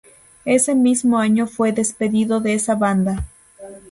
Ese mismo año fue despedido de esa banda.